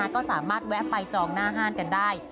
ก็สามารถแวะไปจองหน้าห้างกันได้